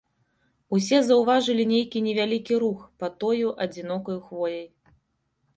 Усе заўважылі нейкі невялікі рух пад тою адзінокаю хвояй.